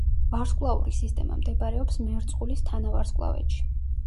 ვარსკვლავური სისტემა მდებარეობს მერწყულის თანავარსკვლავედში.